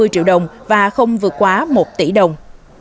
năm mươi triệu đồng và không vượt quá một tỷ đồng